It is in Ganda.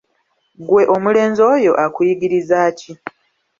Ggwe omulenzi oyo akuyigirizaaki?